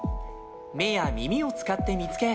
目や耳を使って見つけ